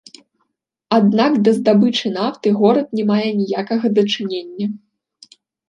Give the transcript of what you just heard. Аднак да здабычы нафты горад не мае ніякага дачынення.